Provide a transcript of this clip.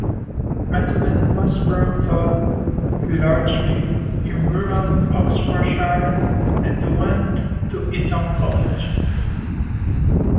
Methven was brought up largely in rural Oxfordshire and went to Eton College.